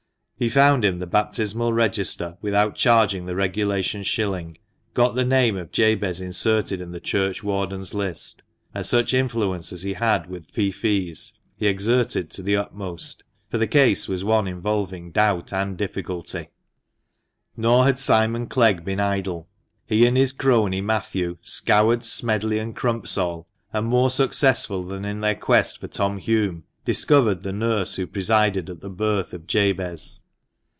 He found him the baptismal register without charging the regulation shilling, got the name of Jabez inserted in the churchwardens' list, and such influence as he had with feoffees he exerted to the utmost, for the case was one involving doubt and difficulty. THE MANCHESTER MAN. ji Nor had Simon Clegg been idle. He and his crony, Matthew, scoured Smedley and Crumpsall, and more successful than in their quest for Tom Hulme, discovered the nurse who presided at the birth of Jabez.